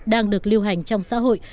đang được lưu hành trong xã hội